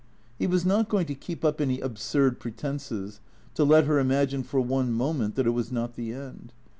He was not going to keep up any absurd pretences, to let her imagine for one moment that it was not the end.